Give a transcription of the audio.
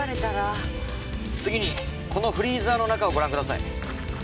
次にこのフリーザーの中をご覧ください。